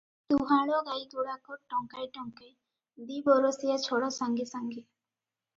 ଦୁହାଁଳ ଗାଈଗୁଡାକ ଟଙ୍କାଏ ଟଙ୍କାଏ, ଦି'ବରଷିଆ ଛଡ଼ା ସାଙ୍ଗେ ସାଙ୍ଗେ ।